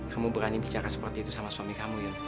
kamu berani bicara seperti itu sama suami kamu ya